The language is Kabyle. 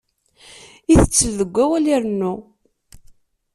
Itettel deg awal irennu.